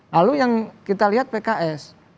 lalu yang kita lihat pks